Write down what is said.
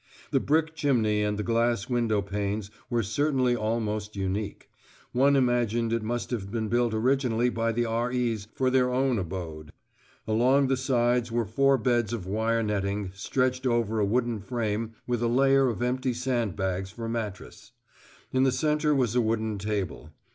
The brick chimney and the glass window panes were certainly almost unique: one imagined it must have been built originally by the R.E.'s for their own abode! Along the sides were four beds of wire netting stretched over a wooden frame with a layer of empty sand bags for mattress. In the centre was a wooden table.